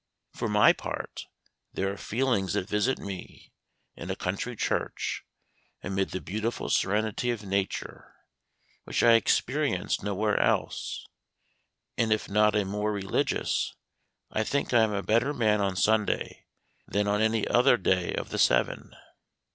For my part, there are feelings that visit me, in a country church, amid the beautiful serenity of nature, which I experience nowhere else; and if not a more religious, I think I am a better man on Sunday than on any other day of the seven.